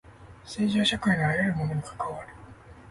政治は社会のあらゆるものに関わる。